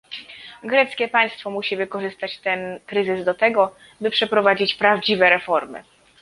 Greckie państwo musi wykorzystać ten kryzys do tego, by przeprowadzić prawdziwe reformy